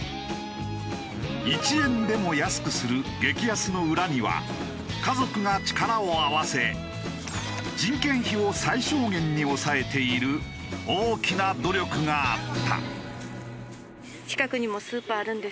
１円でも安くする激安の裏には家族が力を合わせ人件費を最小限に抑えている大きな努力があった。